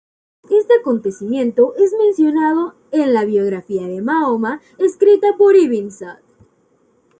Este acontecimiento es mencionado en la biografía de Mahoma escrita por Ibn Sa'd.